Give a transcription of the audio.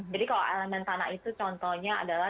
jadi kalau elemen tanah itu contohnya adalah